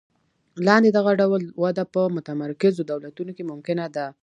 لاندې دغه ډول وده په متمرکزو دولتونو کې ممکنه ده.